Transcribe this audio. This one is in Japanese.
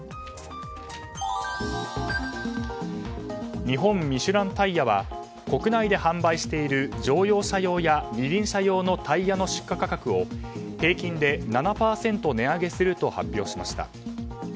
日本ミシュランタイヤは国内で販売している乗用車用や二輪車用のタイヤの出荷価格を平均で７％値上げすると発表しました。